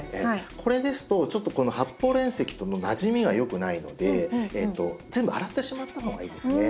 これですとちょっとこの発泡煉石とのなじみがよくないので全部洗ってしまった方がいいですね。